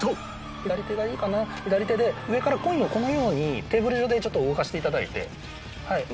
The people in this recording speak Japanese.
左手で上からコインをこのようにテーブル上でちょっと動かしていただいて。